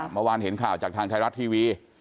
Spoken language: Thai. เมื่อวานเห็นข่าวจากทางไทยรัฐทีวี